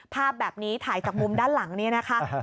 ภาพแบบนี้ถ่ายจากมุมด้านหลังนี้นะคะ